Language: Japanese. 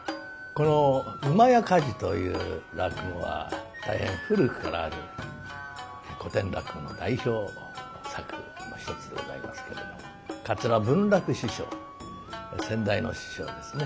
この「厩火事」という落語は大変古くからある古典落語の代表作の一つでございますけれども桂文楽師匠先代の師匠ですね